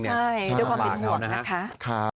ใช่ด้วยความผิดห่วงนะครับ